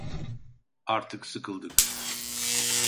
Artık sıkıldık